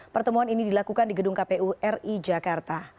pertemuan ini dilakukan di gedung kpu ri jakarta